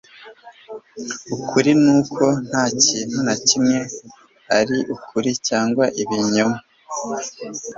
ukuri nuko ntakintu na kimwe ari ukuri cyangwa ibinyoma